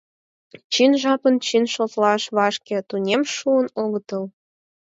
Чын, жапым чын шотлаш вашке тунем шуын огытыл.